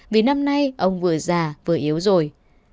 vì năm nay ông vừa già vừa yếu rồi